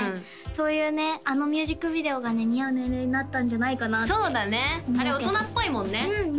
そういうねあのミュージックビデオがね似合う年齢になったんじゃないかなってそうだねあれ大人っぽいもんね